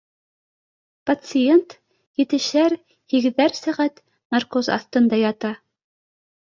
Пациент етешәр-һигеҙәр сәғәт наркоз аҫтында ята